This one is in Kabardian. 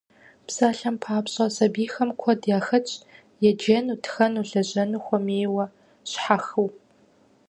Псалъэм папщӀэ, сабийхэм куэд яхэтщ еджэну, тхэну, лэжьэну хуэмейуэ, щхьэхыу.